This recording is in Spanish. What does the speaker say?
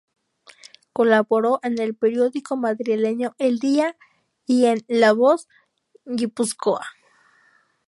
Colaboró en el periódico madrileño "El Día" y en "La Voz de Guipúzcoa".